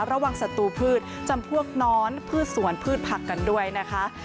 ระหว่างสตูผู้จำพวกน้อนผู้สวนผุ่นผักกันด้วยนะคะ